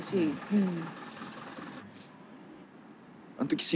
うん。